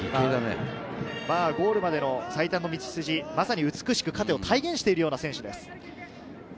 ゴールまでの最短の道筋、まさに「美しく勝て」を体現しているような選手です。